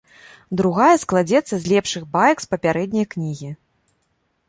Другая складзецца з лепшых баек з папярэдняй кнігі.